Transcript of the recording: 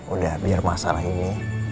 udah biar masalah ini